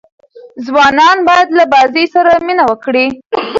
ځوانان باید له بازۍ سره مینه وکړي.